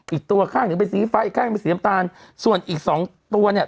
อีกตัวข้างหนึ่งเป็นสีฟ้าอีกข้างเป็นสีน้ำตาลส่วนอีกสองตัวเนี่ย